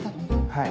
はい。